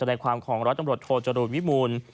ในความของรัฐอำรวจโทษจรุนวิมูล